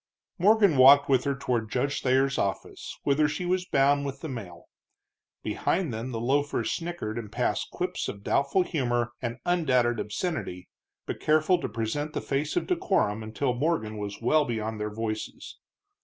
Morgan walked with her toward Judge Thayer's office, whither she was bound with the mail. Behind them the loafers snickered and passed quips of doubtful humor and undoubted obscenity, but careful to present the face of decorum until Morgan was well beyond their voices.